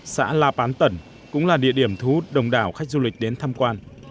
xã la pán tẩn cũng là địa điểm thu hút đông đảo khách du lịch đến tham quan